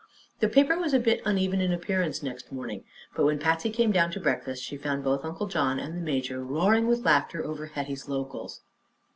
The paper was a bit uneven in appearance next morning, but when Patsy came down to breakfast she found both Uncle John and the major roaring with laughter over Hetty's locals.